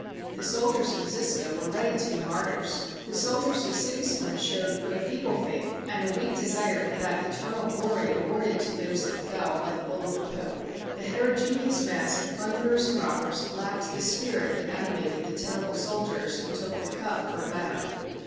The sol diers of Zisca were ready to be martyrs. The soldiers of Sigismund showed but a feeble faith, and a weak desire for that eternal glory awarded to those that fell, by the bull of the Pope. The heterogeneous mass of plunderers and robbers lacked the spirit that animated the terrible soldiers who took the cup for a banner.